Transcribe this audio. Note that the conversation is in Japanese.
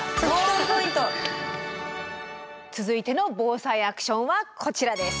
続いての「ＢＯＳＡＩアクション」はこちらです。